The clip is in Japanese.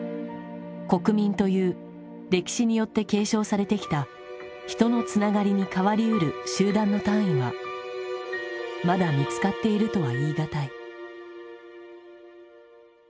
「国民」という歴史によって継承されてきた「人のつながり」に代わりうる集団の単位はまだ見つかっているとは言い難い。